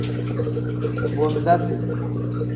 Bodasi.